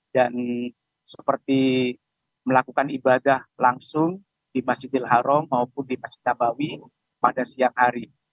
dan seperti melakukan ibadah langsung di masjidil haram maupun di masjid dabawi pada siang hari